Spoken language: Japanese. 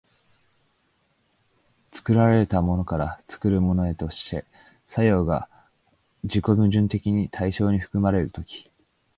作られたものから作るものへとして作用が自己矛盾的に対象に含まれる時、